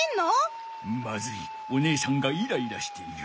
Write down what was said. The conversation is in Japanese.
まずいおねえさんがイライラしている。